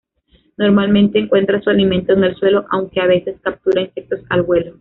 Normalmente encuentra su alimento en el suelo, aunque a veces captura insectos al vuelo.